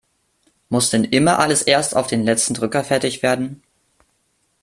Muss denn immer alles erst auf den letzten Drücker fertig werden?